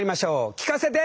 聞かせて！